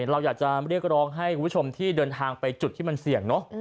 เราอยากจะเรียกร้องให้คุณผู้ชมที่เดินทางไปจุดที่มันเสี่ยงเนอะ